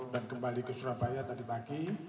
kembali ke surabaya tadi pagi